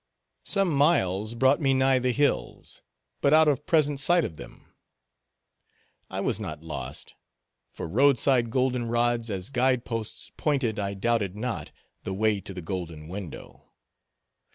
Some miles brought me nigh the hills; but out of present sight of them. I was not lost; for road side golden rods, as guide posts, pointed, I doubted not, the way to the golden window.